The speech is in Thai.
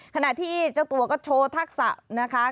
ขณะที่เจ้าตัวก็โชว์ทักษะนะคะ